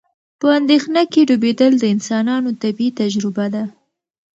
په اندېښنه کې ډوبېدل د انسانانو طبیعي تجربه ده.